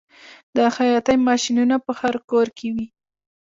د خیاطۍ ماشینونه په هر کور کې وي